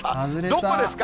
どこですか？